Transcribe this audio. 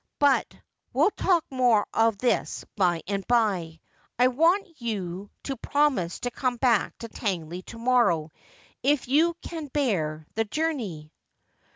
But we'll talk more of this by and by. 1 want you to promise to come back to Tangley to morrow, if you can bear the journey.'